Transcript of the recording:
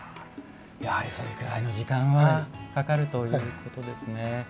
やはりそれぐらいの時間はかかるということですね。